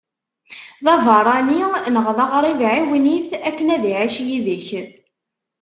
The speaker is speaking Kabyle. D abeṛṛani neɣ d aɣrib ɛiwen-it, akken ad iɛic yid-k.